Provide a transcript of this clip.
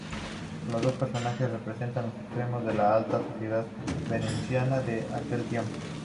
Los dos personajes representan los extremos de la alta sociedad veneciana de aquel tiempo.